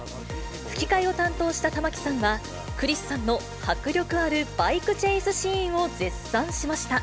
吹き替えを担当した玉木さんは、クリスさんの迫力あるバイクチェイスシーンを絶賛しました。